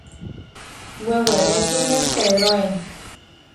Wewerétune Pedróe.